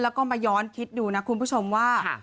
แล้วก็มาย้อนคิดดูนะคุณผู้ชมว่า